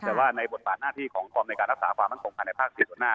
แต่ว่าในบทปรากฏหน้าที่ของความในการรักษาความอันตรงการในภาคสิทธิ์ต่อหน้า